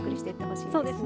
そうですね